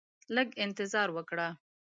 لږ انتظار وکړه